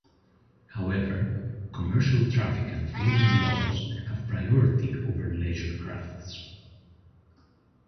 However, commercial traffic and floating logs have priority over leisure crafts.